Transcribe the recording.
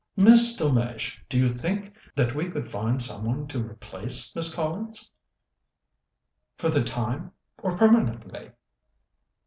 "Miss Delmege, do you think that we could find some one to replace Miss Collins?" "For the time or permanently?"